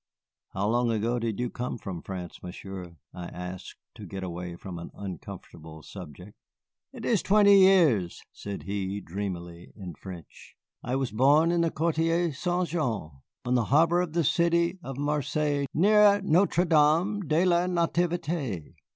"How long ago did you come from France, Monsieur?" I asked, to get away from an uncomfortable subject. "It is twenty years," said he, dreamily, in French. "I was born in the Quartier Saint Jean, on the harbor of the city of Marseilles near Notre Dame de la Nativité."